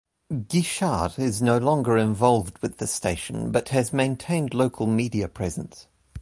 Guichard is no longer involved with the station but has maintained local media presence.